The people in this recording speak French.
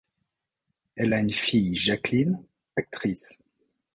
Elle a une fille Jacqueline, actrice.